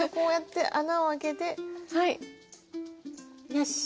よし。